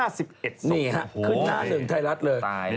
ขึ้นหน้าถึงไทยรัฐเลย